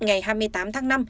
ngày hai mươi tám tháng năm